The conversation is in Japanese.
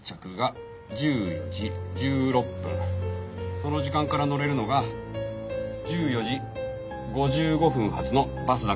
その時間から乗れるのが１４時５５分発のバスだけです。